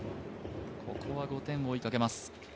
ここは５点を追いかけます。